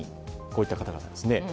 こういった方々ですね。